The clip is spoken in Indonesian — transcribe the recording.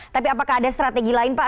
tapi apakah ada strategi lain pak